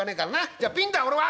じゃあピンだ俺は。